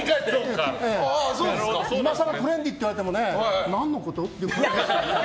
今更トレンディーって言われても何のこと？って感じでね。